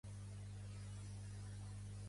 Quan valen les sabates de la monarquia?